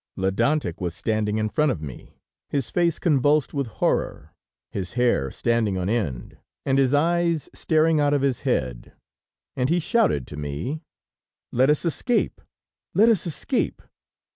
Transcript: Ledantec was standing in front of me, his face convulsed with horror, his hair standing on end and his eyes staring out of his head, and he shouted to me: "Let us escape! Let us escape!"